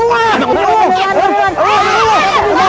aduh gua ga jentul gua